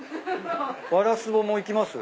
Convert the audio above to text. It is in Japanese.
ワラスボもいきます？